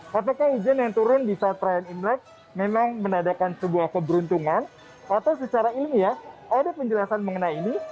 kpk hujan yang turun di satrayan imlek memang menandakan sebuah keberuntungan atau secara ilmiah ada penjelasan mengenai ini